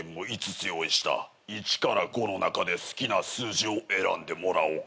１から５の中で好きな数字を選んでもらおうか。